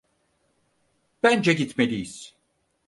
Bence gitmeliyiz.